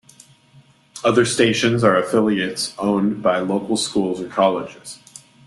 Other stations are affiliates, owned by local schools or colleges.